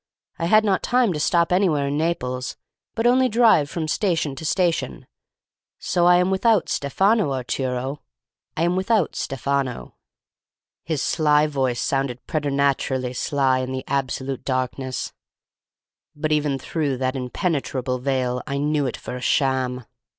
I had not time to stop anywhere in Naples, but only to drive from station to station. So I am without Stefano, Arturo, I am without Stefano.' "His sly voice sounded preternaturally sly in the absolute darkness, but even through that impenetrable veil I knew it for a sham.